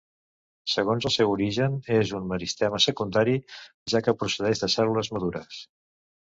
Segons el seu origen, és un meristema secundari, ja que procedeix de cèl·lules madures.